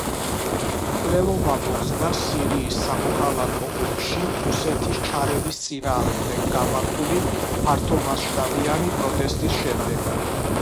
მკვლელობა მოხდა სირიის სამოქალაქო ომში რუსეთის ჩარევის წინააღმდეგ გამართული ფართომასშტაბიანი პროტესტის შემდეგ.